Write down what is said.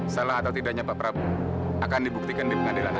salah atau tidaknya pak prabowo akan dibuktikan di pengadilan